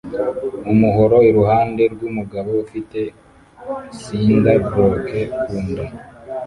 umuhoro iruhande rwumugabo ufite cinder blok ku nda